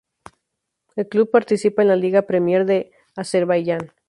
El club participa en la Liga Premier de Azerbaiyán.